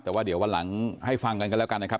แต่ว่าเดี๋ยววันหลังให้ฟังกันกันแล้วกันนะครับ